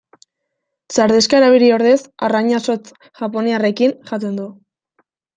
Sardexka erabili ordez arraina zotz japoniarrekin jaten du.